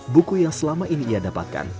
buku yang selama ini ia dapatkan